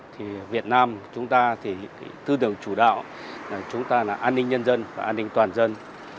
thì việt nam chúng ta tư đường chủ đạo là an ninh nhân dân và an ninh toàn dân